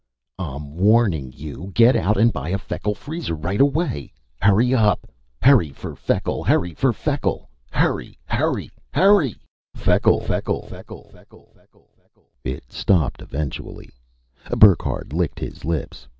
"I'm warning you! Get out and buy a Feckle Freezer right away! Hurry up! Hurry for Feckle! Hurry for Feckle! Hurry, hurry, hurry, Feckle, Feckle, Feckle, Feckle, Feckle, Feckle...." It stopped eventually. Burckhardt licked his lips.